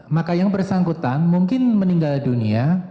maka yang bersangkutan mungkin meninggal dunia